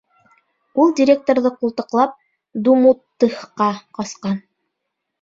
Ул директорҙы ҡултыҡлап думуттыхҡа ҡасҡан.